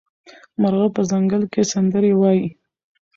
مرغه په ځنګل کې سندرې وايي.